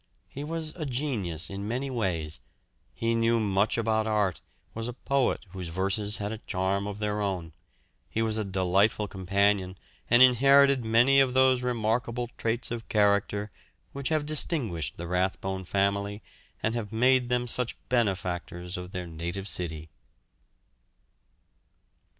He was a genius in many ways; he knew much about art; was a poet whose verses had a charm of their own; he was a delightful companion and inherited many of those remarkable traits of character which have distinguished the Rathbone family and have made them such benefactors of their native city.